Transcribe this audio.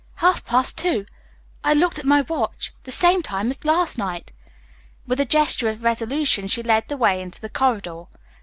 "Half past two. I looked at my watch. The same time as last night." With a gesture of resolution she led the way into the corridor.